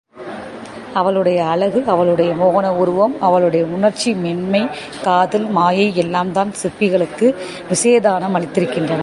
அவளுடைய அழகு, அவளுடைய மோகன உருவம், அவளுடைய உணர்ச்சி, மென்மை, காதல், மாயை எல்லாம்தான் சிற்பிகளுக்கு விஷயதானம் அளித்திருக்கின்றன.